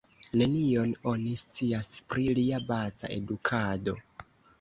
Nenion oni scias pri lia baza edukado.